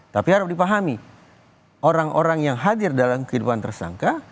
tapi harus dipahami orang orang yang hadir dalam kehidupan tersangka